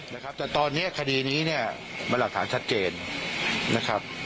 นะครับแต่ตอนนี้คดีนี้เนี่ยมันหลักฐานชัดเจนนะครับ